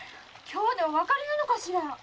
今日でお別れなのかしら？